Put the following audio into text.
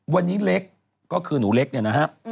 วันนี้เล็กก็คือหนูเล็กเนี่ยนะฮะ